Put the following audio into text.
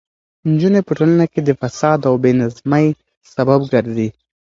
نجونې په ټولنه کې د فساد او بې نظمۍ سبب ګرځي.